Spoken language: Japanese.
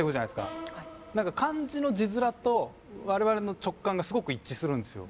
何か漢字の字面と我々の直感がすごく一致するんですよ。